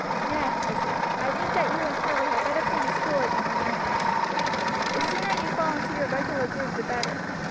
"Ned," he said, "I think that you and Charlie had better come to school again on Monday. The sooner you fall into your regular groove the better.